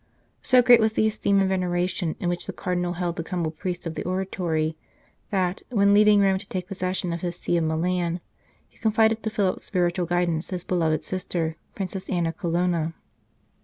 So great was the esteem and veneration in which the Cardinal held the humble priest of the Oratory, that, when leaving Rome to take posses sion of his See of Milan, he confided to Philip s spiritual guidance his beloved sister, Princess Anna Colonna.